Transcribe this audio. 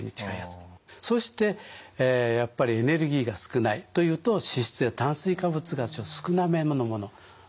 そしてやっぱりエネルギーが少ないというと脂質や炭水化物が少なめのもの。